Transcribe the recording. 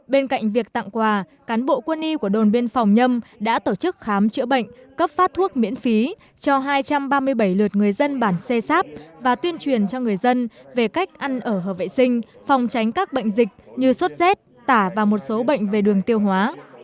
bên cạnh việc tặng quà cán bộ quân y của đồn biên phòng nhâm đã tổ chức khám chữa bệnh cấp phát thuốc miễn phí cho hai trăm ba mươi bảy lượt người dân bản xê xáp và tuyên truyền cho người dân về cách ăn ở hợp vệ sinh phòng tránh các bệnh dịch như sốt z tả và một số bệnh về đường tiêu hóa